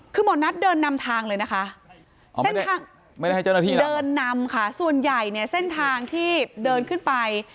คือหมอนัทเดินนำทางเลยนะคะเดินนำค่ะส่วนใหญ่เนี่ยเส้นทางที่เดินขึ้นไป